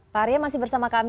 pak arya masih bersama kami